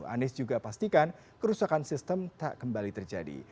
anies juga pastikan kerusakan sistem tak kembali terjadi